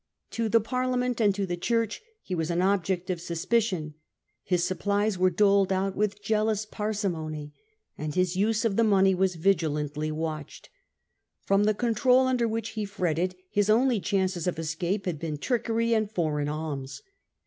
To the Parliament and to the Church he was an object of suspicion. His supplies were doled out with jealous parsimony, and his use of the money wa<§ vigilantly watched. From the control under which he fretted his only chances of escape had been trickery and foreign alms.